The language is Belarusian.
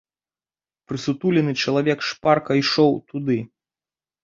Прысутулены чалавек шпарка ішоў туды.